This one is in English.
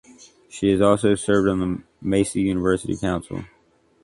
She has also served on the Massey University Council.